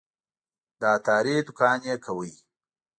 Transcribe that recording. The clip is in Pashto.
د عطاري دوکان یې کاوه.